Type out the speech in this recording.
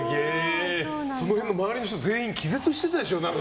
その辺の周りの人全員気絶してたでしょ。